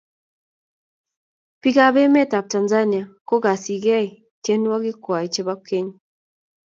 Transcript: Biikab emetab Tanzania kokasegei tyenwogiik kwai chebo keny.